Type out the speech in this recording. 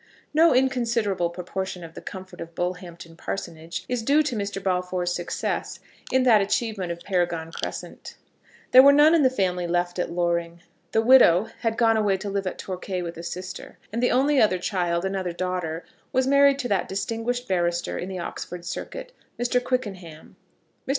No inconsiderable proportion of the comfort of Bullhampton parsonage is due to Mr. Balfour's success in that achievement of Paragon Crescent. There were none of the family left at Loring. The widow had gone away to live at Torquay with a sister, and the only other child, another daughter, was married to that distinguished barrister on the Oxford circuit, Mr. Quickenham. Mr.